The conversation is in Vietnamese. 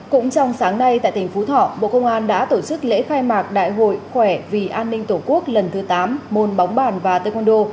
cũng trong sáng nay tại tỉnh phú thọ bộ công an đã tổ chức lễ khai mạc đại hội khỏe vì an ninh tổ quốc lần thứ tám môn bóng bàn và taekwondo